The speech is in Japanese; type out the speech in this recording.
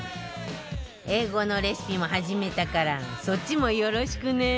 英語のレシピも始めたからそっちもよろしくね